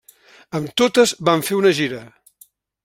Amb totes van fer una gira.